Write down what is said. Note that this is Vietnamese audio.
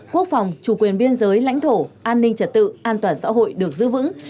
quốc phòng chủ quyền biên giới lãnh thổ an ninh trật tự an toàn xã hội được giữ vững